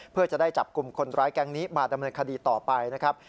เพื่อจะได้จับกลุ่มคนร้ายแก๊งนี้มาดำเนินคดีต่อไปนะครับ